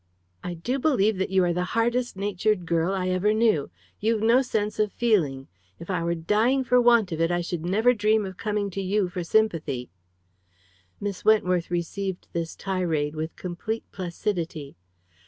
"I do believe that you are the hardest natured girl I ever knew. You've no sense of feeling. If I were dying for want of it, I should never dream of coming to you for sympathy." Miss Wentworth received this tirade with complete placidity.